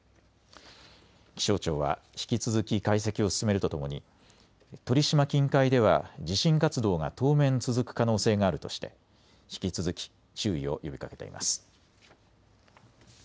気象庁は引き続き解析を進めるとともに鳥島近海では地震活動が当面続く可能性があるとして引き続き注意を呼びかけています。